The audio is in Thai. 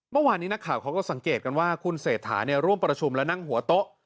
เมื่อวานนี้นักข่าวเขาก็สังเกตกันว่าคุณเศรษฐาร่วมประชุมและนั่งหัวโต๊ะ